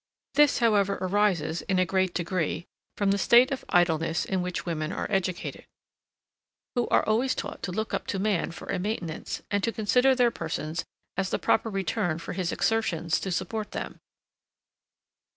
This, however, arises, in a great degree, from the state of idleness in which women are educated, who are always taught to look up to man for a maintenance, and to consider their persons as the proper return for his exertions to support them.